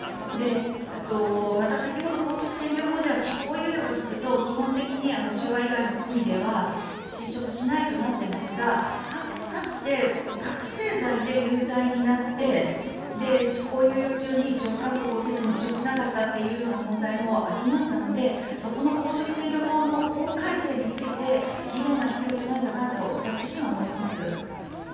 あと、先ほど公職選挙法では執行猶予がつくと基本的に収賄以外の罪では失職しないとなっていますがかつて、覚醒剤で有罪になって執行猶予中に辞職勧告を受けても辞職しなかったという問題もありましたのでそこの公職選挙法の法改正について議論が必要じゃないかなと私自身は思います。